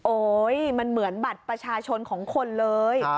โอ๊ยมันเหมือนบัตรประชาชนของคนเลย